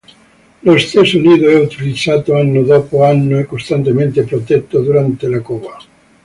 Lo stesso nido è utilizzato anno dopo anno e costantemente protetto durante la cova.